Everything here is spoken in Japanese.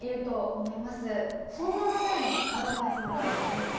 そんな方へのアドバイスなどはありますか？